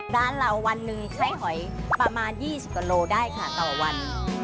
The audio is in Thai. ร้านเราวันหนึ่งใช้หอยประมาณ๒๐กว่าโลได้ค่ะต่อวัน